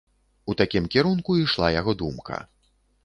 У такім кірунку ішла яго думка.